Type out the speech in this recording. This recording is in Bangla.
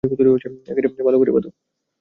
ভালো করে বাঁধো।